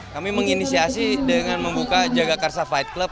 kami menginisiasi dengan membuka jagakarsa fight club